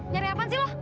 nyari apaan sih lu